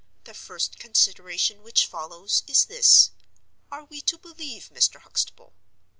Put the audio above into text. The first consideration which follows, is this: Are we to believe Mr. Huxtable?